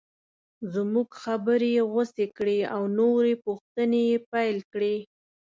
زموږ خبرې یې غوڅې کړې او نورې پوښتنې یې پیل کړې.